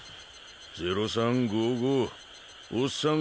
０３５５おっさん